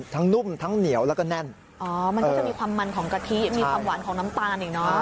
มันก็จะมีความมันของกะทิมีความหวานของน้ำตาลอีก